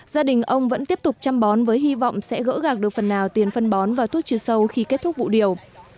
gia đình ông vẫn tiếp tục chăm bón với hy vọng sẽ gỡ gạc được phần nào tiền phân bón và thuốc trừ sâu khi kết thúc vụ điều